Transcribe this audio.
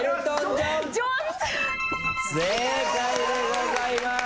正解でございます。